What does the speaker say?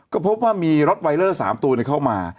ก็พบว่ามีรอดไวเลอร์๓ตัวเนี่ยเข้ามา